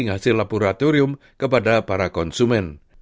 dan daging hasil laboratorium kepada para konsumen